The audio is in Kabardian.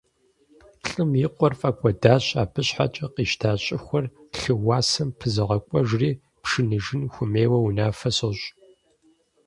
Лӏым и къуэр фӀэкӀуэдащ, абы щхьэкӀэ къищта щӀыхуэр лъыуасэм пызогъакӀуэжри, пшыныжын хуемейуэ унафэ сощӏ!